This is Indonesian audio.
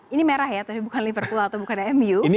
ini merah ya tapi bukan liverpool atau bukan mu